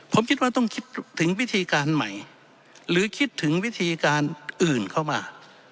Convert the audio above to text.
ผมคิดว่าต้องคิดถึงวิธีการใหม่หรือคิดถึงวิธีการอื่นเข้ามา